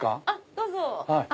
どうぞ。